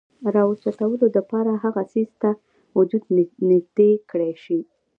راوچتولو د پاره هغه څيز ته وجود نزدې کړے شي ،